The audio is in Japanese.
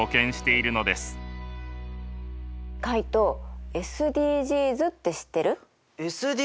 カイトＳＤＧｓって知ってる？